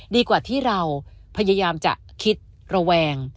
ดีกว่าที่เราพยายามจะคิดระแวง